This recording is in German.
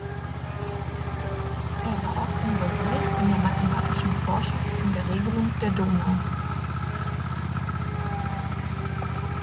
Er war auch involviert in der mathematischen Forschung und der Regelung der Donau.